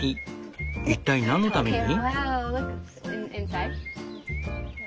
一体なんのために？